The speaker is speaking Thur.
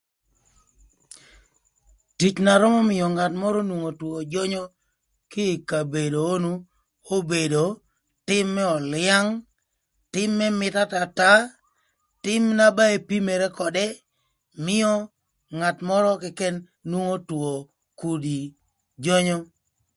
Tic na römö mïö ngat mörö nwongo two jönyö kï ï kabedo onu obedo, tïm më ölyang, tïm më mït atata, tïm na ba ipimere ködë mïö ngat mörö këkën nwongo two kudi jönyö.